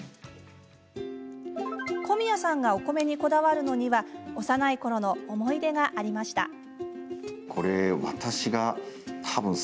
小宮さんがお米にこだわるのには幼いころの思い出がありました。